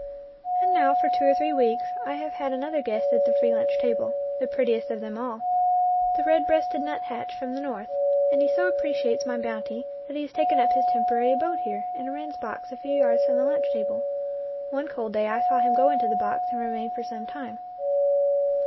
And now for two or three weeks I have had an other guest at the free lunch table, the prettiest of them all, the red breasted nuthatch from the North, and he so appreciates my bounty that he has taken up his temporary abode here in a wren's box a few yards from the lunch table. One cold day I saw him go into the box and remain for some time.